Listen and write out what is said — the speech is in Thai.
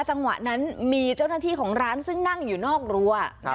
จังหวะนั้นมีเจ้าหน้าที่ของร้านซึ่งนั่งอยู่นอกรั้ว